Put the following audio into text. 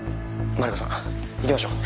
マリコさん行きましょう。